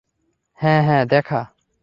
হ্যাঁ, হ্যাঁ, দেখা।